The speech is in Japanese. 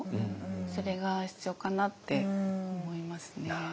それが必要かなって思いますね。